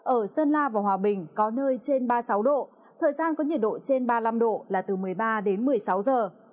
ở sơn la và hòa bình có nơi trên ba mươi sáu độ thời gian có nhiệt độ trên ba mươi năm độ là từ một mươi ba đến một mươi sáu giờ